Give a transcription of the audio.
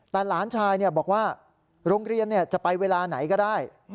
แต่หลานชายบอกว่าโรงเรียนจะไปเวลาไหนก็ได้